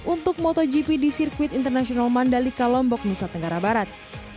untuk motogp di sirkuit internasional mandalika lombok nusa tenggara barat